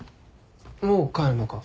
もう帰るのか？